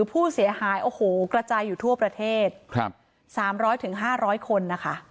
ผู้เสียหายโอ้โหกระจายอยู่ทั่วประเทศ๓๐๐๕๐๐คนนะคะ